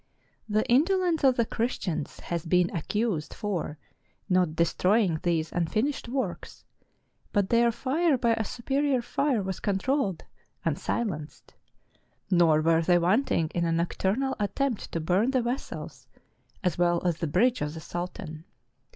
The indolence of the Christians has been accused for not destroying these unfinished works ; but their fire by a superior fire was controlled and silenced; nor were they wanting in a nocturnal attempt to bum the vessels as well as the bridge of the sultan.